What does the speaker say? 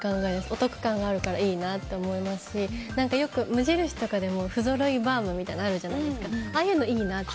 お得感があるからいいなと思いますしよく無印とかでも不ぞろいバウムみたいなのあるじゃないですか。